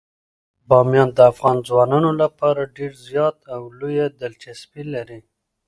بامیان د افغان ځوانانو لپاره ډیره زیاته او لویه دلچسپي لري.